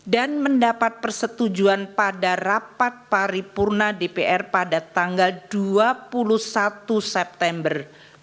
dan mendapat persetujuan pada rapat paripurna dpr pada tanggal dua puluh satu september dua ribu dua puluh tiga